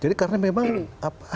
jadi karena memang hal itu